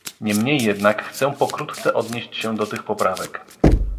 Niemniej jednak chcę pokrótce odnieść się do tych poprawek